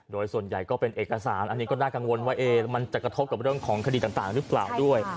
โดยส่วนใหญ่ก็เป็นเอกสารอันนี้ก็น่ากังวลว่ามันจะกระทบกับเรื่องของคดีต่างหรือเปล่าด้วย